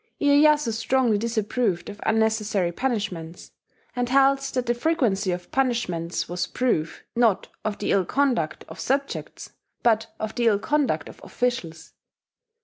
Iyeyasu strongly disapproved of unnecessary punishments; and held that the frequency of punishments was proof, not of the ill conduct of subjects, but of the ill conduct of officials.